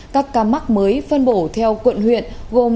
các ca mắc mới phân bổ theo quận huyện gồm